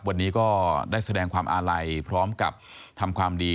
วันนี้ก็ได้แสดงความอาลัยพร้อมกับทำความดี